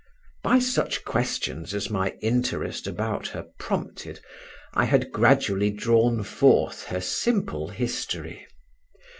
By such questions as my interest about her prompted I had gradually drawn forth her simple history.